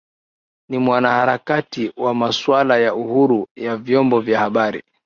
ni mwanaharakati wa masuala ya uhuru wa vyombo vya habari